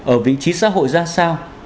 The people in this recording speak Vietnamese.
ở vị trí xã hội ra sao